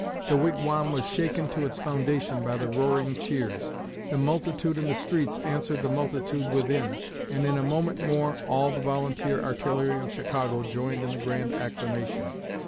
The Wigwam was shaken to its foundation by the roaring cheers. The multitude in the streets answered the multitude within, and in a moment more all the volunteer artillery of Chicago joined in the grand acclamation.